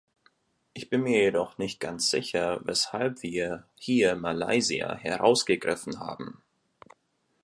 Ich bin mir jedoch nicht ganz sicher, weshalb wir hier Malaysia herausgegriffen haben.